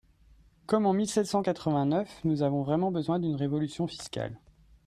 Comme en mille sept cent quatre-vingt-neuf, nous avons vraiment besoin d’une révolution fiscale.